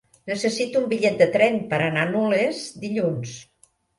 Necessito un bitllet de tren per anar a Nulles dilluns.